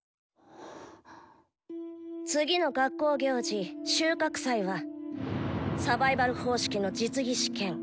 次の学校行事「収穫祭」はサバイバル方式の実技試験